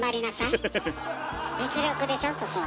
実力でしょそこは。